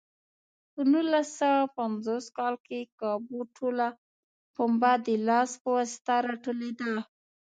په نولس سوه پنځوس کال کې کابو ټوله پنبه د لاس په واسطه راټولېده.